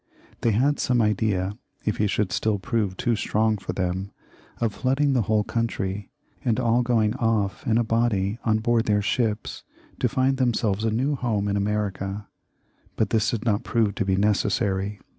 They had some idea, if he should still prove too strong for them, of flooding the whole country, and all going off in a body on board their ships, to find themselves a new home in America ; but this did not prove to be necessary.